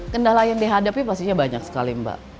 kendala yang dihadapi pastinya banyak sekali mbak